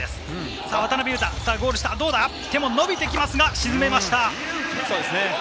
渡邊雄太、ゴール下、手も伸びてきましたが、沈めました。